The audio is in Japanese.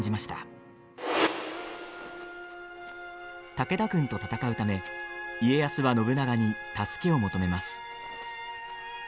武田軍と戦うため家康は信長に助けを求めます。